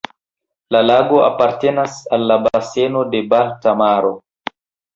La lago apartenas al la baseno de la Balta Maro.